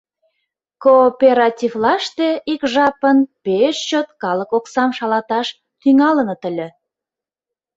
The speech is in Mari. Кооперативлаште ик жапын пеш чот калык оксам шалаташ тӱҥалыныт ыле.